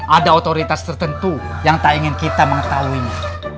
ada otoritas tertentu yang tak ingin kita mengetahuinya